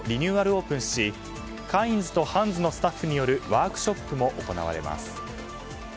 オープンしカインズとハンズのスタッフによるワークショップも行われます。